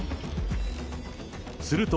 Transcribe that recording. すると、